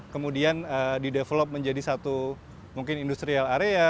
kemudian didevelop menjadi satu mungkin industrial area